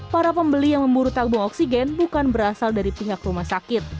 para pembeli yang memburu tabung oksigen bukan berasal dari pihak rumah sakit